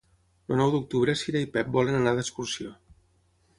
El nou d'octubre na Cira i en Pep volen anar d'excursió.